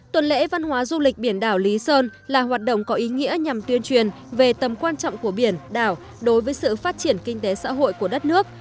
tuần lễ văn hóa du lịch biển đảo lý sơn là hoạt động có ý nghĩa nhằm tuyên truyền về tầm quan trọng của biển đảo đối với sự phát triển kinh tế xã hội của đất nước